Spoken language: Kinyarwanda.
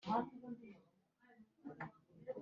’abategeka b’ingabo ze babpfuye